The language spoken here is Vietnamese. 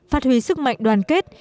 phát huy sức mạnh đoàn kết